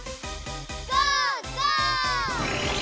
ゴーゴー！